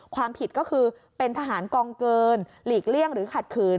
ความผิดก็คือเป็นทหารกองเกินหลีกเลี่ยงหรือขัดขืน